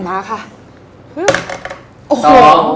มาค่ะ